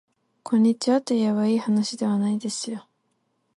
こんにちはといえばいいはなしではないですよ